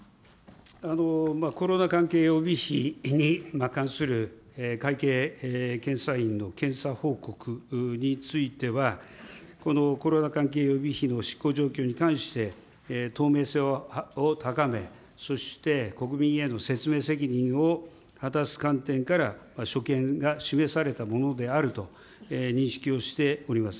コロナ関係予備費に関する会計検査院の検査報告については、このコロナ関係予備費の執行状況に関して、透明性を高め、そして、国民への説明責任を果たす観点から、所見が示されたものであると認識をしております。